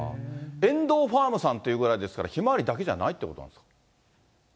遠藤ファームさんっていうぐらいですから、ひまわりだけじゃないっていうことなんですか。